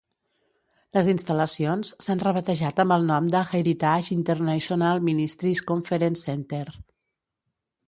Les instal·lacions s'han rebatejat amb el nom de Heritage International Ministries Conference Center.